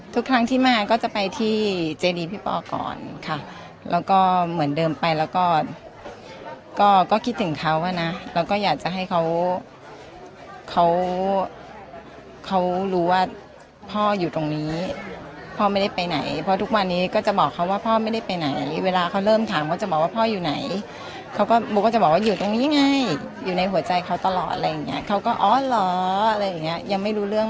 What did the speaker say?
ทุกครั้งที่มาก็จะไปที่เจดีพี่ปอก่อนค่ะแล้วก็เหมือนเดิมไปแล้วก็ก็ก็คิดถึงเขาอ่ะนะแล้วก็อยากจะให้เขาเขารู้ว่าพ่ออยู่ตรงนี้พ่อไม่ได้ไปไหนเพราะทุกวันนี้ก็จะบอกเขาว่าพ่อไม่ได้ไปไหนเวลาเขาเริ่มถามก็จะบอกว่าพ่ออยู่ไหนเขาก็โบก็จะบอกว่าอยู่ตรงนี้ไงอยู่ในหัวใจเขาตลอดอะไรอย่างเงี้ยเขาก็อ๋อเหรออะไรอย่างเงี้ยยังไม่รู้เรื่อง